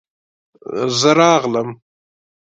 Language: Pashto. زه راغلم.